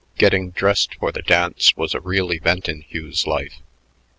Getting dressed for the dance was a real event in Hugh's life.